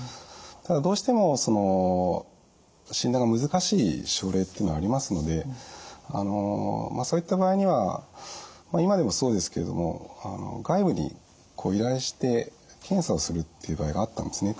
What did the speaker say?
ただどうしても診断が難しい症例っていうのはありますのでそういった場合には今でもそうですけれども外部に依頼して検査をするっていう場合があったんですね。